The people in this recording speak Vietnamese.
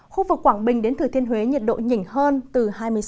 khu vực quảng bình đến thừa thiên huế nhiệt độ nhỉnh hơn từ hai mươi sáu